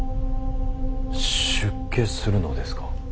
出家するのですか。